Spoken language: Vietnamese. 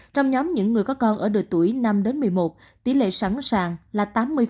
trong nhóm những người có con ở độ tuổi năm đến một mươi một tỷ lệ sẵn sàng là tám mươi